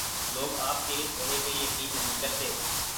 لو گ آپ کے کہے پہ یقین نہیں کرتے۔